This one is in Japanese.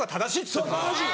そう正しい。